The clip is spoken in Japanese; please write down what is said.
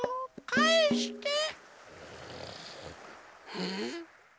うん？